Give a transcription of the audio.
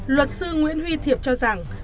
luật sư nguyễn huy thiệp cho rằng